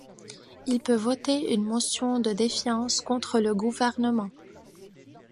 Il peut voter une motion de défiance contre le gouvernement.